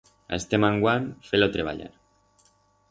A este manguant fe-lo treballar.